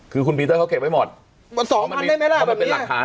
คือคุณปีเตอร์เขาเก็บไว้หมดมันสองพันได้ไหมล่ะถ้ามันเป็นหลักฐาน